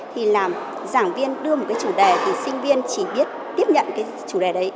thì làm giảng viên đưa một cái chủ đề thì sinh viên chỉ biết tiếp nhận cái chủ đề đấy